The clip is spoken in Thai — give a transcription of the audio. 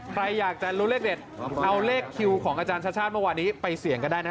ใครอยากจะรู้เลขเด็ดเอาเลขคิวของอาจารย์ชาติชาติเมื่อวานนี้ไปเสี่ยงก็ได้นะ